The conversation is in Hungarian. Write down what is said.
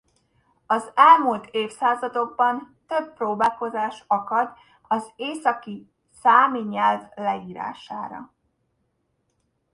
Az elmúlt évszázadokban több próbálkozás akad az északi számi nyelv leírására.